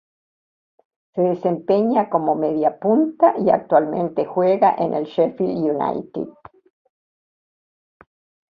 Se desempeña como mediapunta y actualmente juega en el Sheffield United.